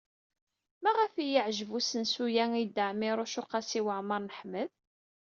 Maɣef ay yeɛjeb usensu-a i Dda Ɛmiiruc u Qasi Waɛmer n Ḥmed?